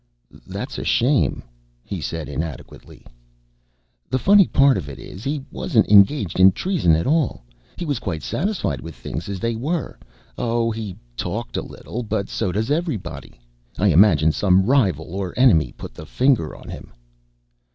"That's a shame," he said inadequately. "The funny part of it is, he wasn't engaged in treason at all. He was quite satisfied with things as they were oh, he talked a little, but so does everybody. I imagine some rival or enemy put the finger on him."